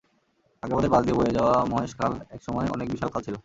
আগ্রাবাদের পাশ দিয়ে বয়ে যাওয়া মহেশ খাল একসময় অনেক বিশাল খাল ছিল।